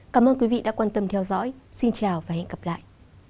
cảm ơn các bạn đã theo dõi xin chào và hẹn gặp lại